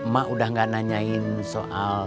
mak udah gak nanyain soal